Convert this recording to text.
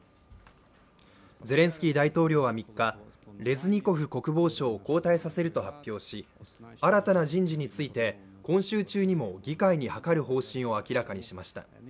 ゼレンスキー大統領は３日、レズニコフ国防相を交代させると発表し新たな人事について今週中にも議会に諮る方針を明らかにしました。